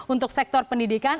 untuk sektor pendidikan